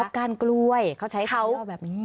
มอบการกล้วยเขาใช้เขาว่าแบบนี้